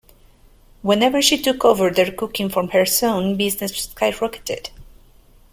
Whenever she took over the cooking from her son, business skyrocketed.